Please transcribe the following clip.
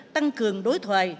tăng cường đối thoại